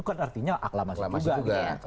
itu kan artinya aklamasi juga